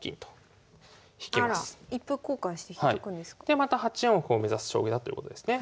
でまた８四歩を目指す将棋だということですね。